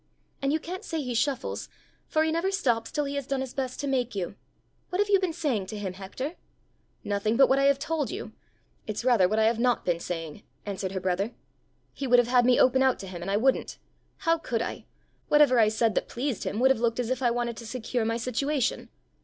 And you can't say he shuffles, for he never stops till he has done his best to make you! What have you been saying to him, Hector?" "Nothing but what I have told you; it's rather what I have not been saying!" answered her brother. "He would have had me open out to him, and I wouldn't. How could I! Whatever I said that pleased him, would have looked as if I wanted to secure my situation!